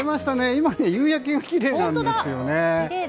今、夕焼けがきれいなんですよね。